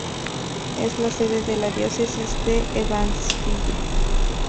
Es la sede de la Diócesis de Evansville.